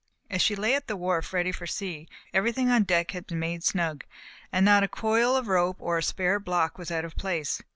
As she lay at the wharf ready for sea, everything on deck had been made snug, and not a coil of rope or spare block was out of place.